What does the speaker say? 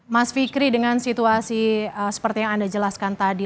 mas fikri dengan situasi seperti yang anda jelaskan tadi